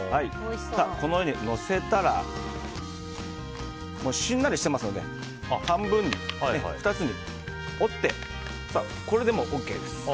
このようにのせたらしんなりしていますので半分に、２つに折ってこれでＯＫです。